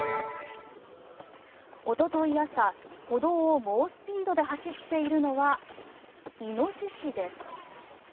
おととい朝、歩道を猛スピードで走っているのはイノシシです。